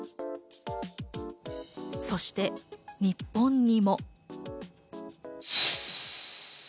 そして日本にも。